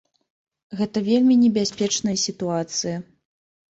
Гэта вельмі небяспечная сітуацыя.